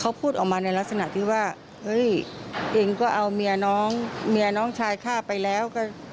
เขาพูดในลักษณะที่ว่าเฮ้ยเองก็เอาเมีย์น้องชายข้าไปแล้ว